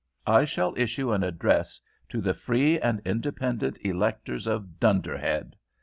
I shall issue an address to the free and independent electors of Dunderhead.